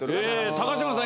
高島さん